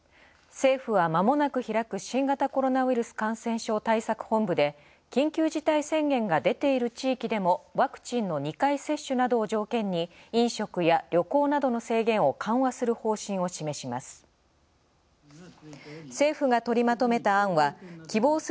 政府は、まもなく開く新型コロナウイルス感染症対策本部で緊急事態宣言が出ている地域でもワクチンの２回接種などを条件に飲食や旅行などの制限を緩和する方針を示します。